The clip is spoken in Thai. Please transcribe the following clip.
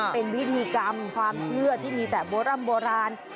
เป็นวิธีกรรมความเชื่อที่มีแต่โบราณ